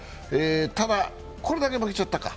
ただ、これだけ負けちゃったか。